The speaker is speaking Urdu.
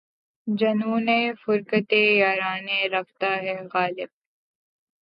جنونِ فرقتِ یارانِ رفتہ ہے غالب!